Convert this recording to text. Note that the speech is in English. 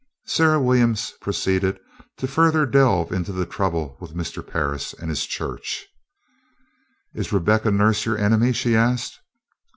Sarah Williams proceeded to further delve into the trouble with Mr. Parris and his church. "Is Rebecca Nurse your enemy?" she asked.